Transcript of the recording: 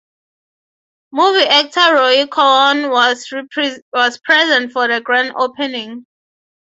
Movie actor Rory Calhoun was present for the grand opening.